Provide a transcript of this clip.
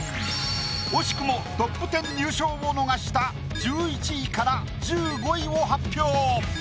惜しくもトップ１０入賞を逃した１１位から１５位を発表。